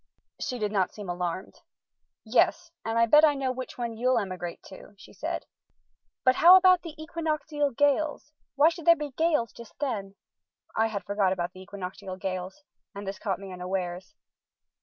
She did not seem alarmed. "Yes, and I bet I know which one you'll emigrate to," she said. "But how about the equinoctial gales? Why should there be gales just then?" I had forgot about the equinoctial gales, and this caught me unawares.